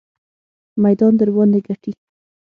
میدان درباندې ګټي.